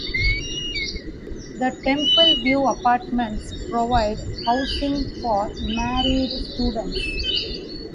The Temple View Apartments provide housing for married students.